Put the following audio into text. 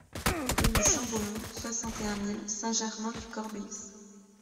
Rue du Champ Beaumont, soixante et un mille Saint-Germain-du-Corbéis